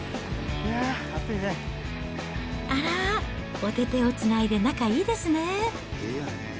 あらー、おててをつないで仲いいですね。